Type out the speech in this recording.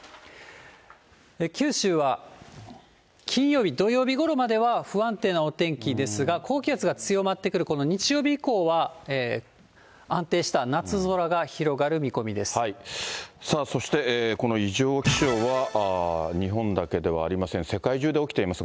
九州は金曜日、土曜日ごろまでは不安定なお天気ですが、高気圧が強まってくる日曜日以降は、さあ、そしてこの異常気象は日本だけではありません。世界中で起きています。